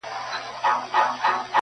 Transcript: د حاکم سترگي له قهره څخه سرې سوې!!